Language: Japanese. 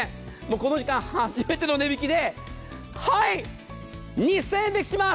この時間、初めての値引きで２０００円引きします！